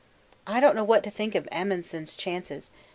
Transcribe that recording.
I don't know what to think of Amundsen's chances.